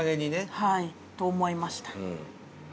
はい。と思いました。